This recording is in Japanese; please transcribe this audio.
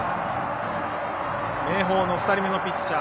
明豊の２人目のピッチャー